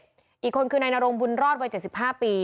ได้รับปัดเจ็บอีกคนคือนายนโรงบุญรอดวัยเจ็ดสิบห้าปี